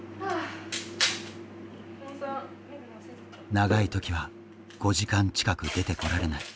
長い時は５時間近く出てこられない。